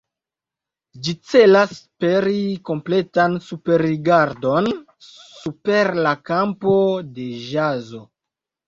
Ĝi celas peri kompletan superrigardon super la kampo de ĵazo.